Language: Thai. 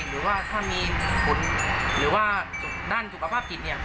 หรือว่าถ้ามีผลหรือว่าด้านสุขภาพจิต